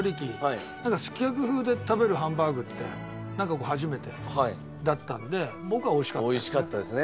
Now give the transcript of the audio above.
すき焼き風で食べるハンバーグってなんかこう初めてだったんで僕は美味しかったですね。